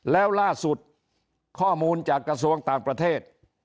แล้วล่าสุดข้อมูลจากกระทรวงต่างประเทศ